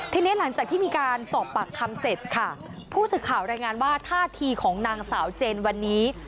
ทีนี้หลังจากที่มีการสอบปากคำเสร็จค่ะผู้สื่อข่าวรายงานว่าท่าทีของนางสาวเจนวันนี้